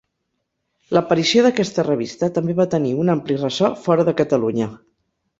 L'aparició d'aquesta revista també va tenir un ampli ressò fora de Catalunya.